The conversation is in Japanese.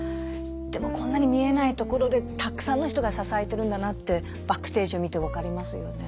でもこんなに見えない所でたくさんの人が支えてるんだなってバックステージを見て分かりますよね。